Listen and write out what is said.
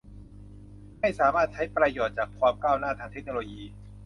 ให้สามารถใช้ประโยชน์จากความก้าวหน้าทางเทคโนโลยี